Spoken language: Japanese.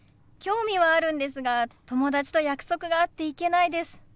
興味はあるんですが友達と約束があって行けないです。